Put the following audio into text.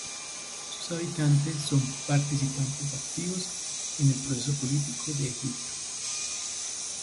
Sus habitantes son participantes activos en el proceso político de Egipto.